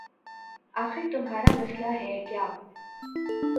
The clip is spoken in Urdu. آخر تمہارا مسئلہ ہے کیا